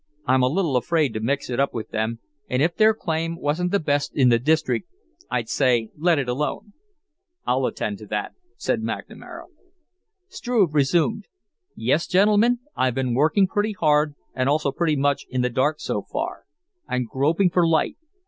I'm a little afraid to mix it up with them, and if their claim wasn't the best in the district, I'd say let it alone." "I'll attend to that," said McNamara. Struve resumed: "Yes, gentlemen, I've been working pretty hard and also pretty much in the dark so far. I'm groping for light.